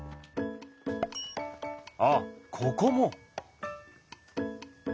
あっここも！